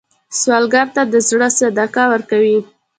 سوالګر ته د زړه صدقه ورکوئ